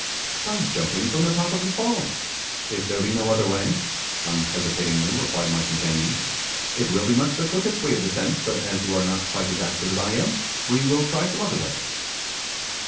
'By jumping from the top of the fall, if there be no other way,' unhesitatingly replied my companion: 'it will be much the quickest way of descent; but as you are not quite as active as I am, we will try some other way.